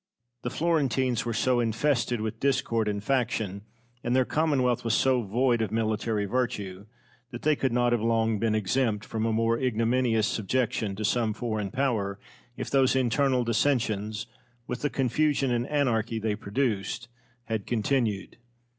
Cosmo. The Florentines were so infested with discord and faction, and their commonwealth was so void of military virtue, that they could not have long been exempt from a more ignominious subjection to some foreign Power if those internal dissensions, with the confusion and anarchy they produced, had continued.